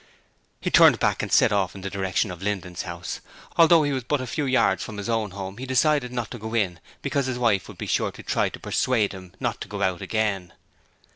He turned back and set off in the direction of Linden's house: although he was but a few yards from his own home, he decided not to go in because his wife would be sure to try to persuade him not to go out again.